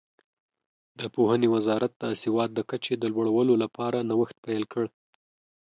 د پوهنې وزارت د سواد د کچې د لوړولو لپاره نوښت پیل کړ.